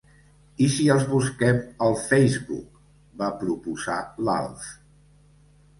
I si els busquem al Facebook —va proposar l'Alf—.